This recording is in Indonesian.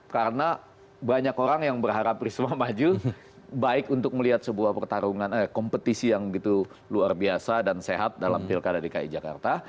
karena banyak orang yang berharap risma maju baik untuk melihat sebuah pertarungan kompetisi yang gitu luar biasa dan sehat dalam pilkada dki jakarta